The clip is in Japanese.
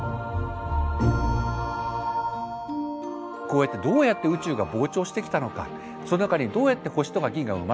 こうやってどうやって宇宙が膨張してきたのかその中にどうやって星とか銀河が生まれたのか。